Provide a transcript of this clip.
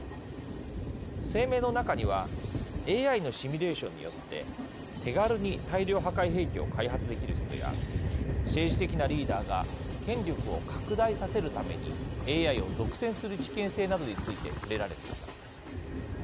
声明の中にはＡＩのシミュレーションによって手軽に大量破壊兵器を開発できることや政治的なリーダーが権力を拡大させるためにＡＩを独占する危険性などについて触れられています。